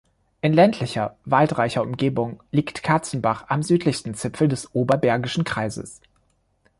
In ländlicher, waldreicher Umgebung liegt Katzenbach am südlichsten Zipfel des Oberbergischen Kreises.